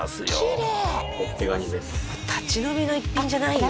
きれい立ち飲みの一品じゃないよ